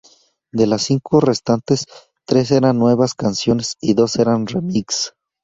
De las cinco restantes, tres eran nuevas canciones y dos eran remix.